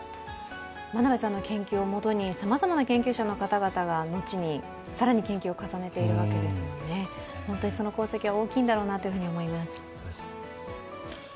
真鍋さんの研究をもとに、様々な研究者の方々が後に更に研究を重ねているわけですから、本当にその功績は大きいんだろうなと思います。